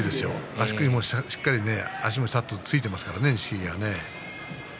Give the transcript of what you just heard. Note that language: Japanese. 足腰もしっかり足もちゃんとついていますからね錦木は。